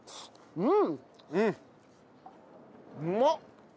うん。